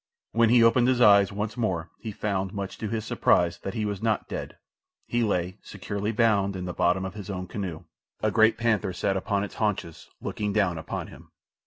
When he opened his eyes once more he found, much to his surprise, that he was not dead. He lay, securely bound, in the bottom of his own canoe. A great panther sat upon its haunches, looking down upon him.